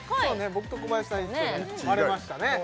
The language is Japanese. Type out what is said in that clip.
僕と小林さん一緒で割れましたね